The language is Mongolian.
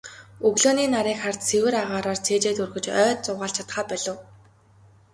Өглөөний нарыг харж, цэвэр агаараар цээжээ дүүргэж, ойд зугаалж чадахаа болив.